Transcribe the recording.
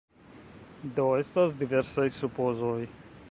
Do estas diversaj supozoj.